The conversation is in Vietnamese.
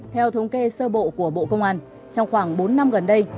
theo thống kê sơ bộ của bộ công an trong khoảng bốn năm gần đây